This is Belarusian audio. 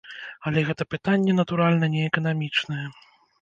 Але гэта пытанне, натуральна, не эканамічнае.